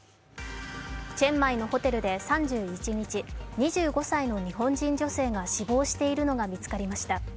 チェンマイのホテルで３１日２５歳の日本人女性が死亡しているのが見つかりました。